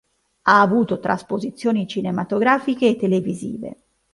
Ha avuto trasposizioni cinematografiche e televisive.